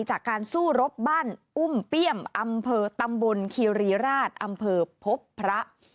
จากการสู้รบบ้านอุ้มเปี้ยมอำเภอตำบลคีรีราชอำเภอพบพระ